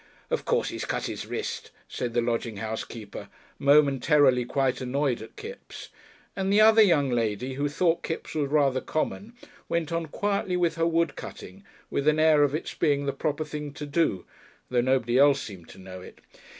"Of course he's cut his wrist," said the lodging house keeper, momentarily quite annoyed at Kipps; and the other young lady, who thought Kipps rather common, went on quietly with her wood cutting with an air of its being the proper thing to do though nobody else seemed to know it.